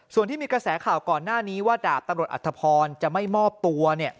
ส่วนที่มีกระแสข่าวก่อนหน้านี้ว่าดาบตำรวจอัธพรจะไม่มอบตัว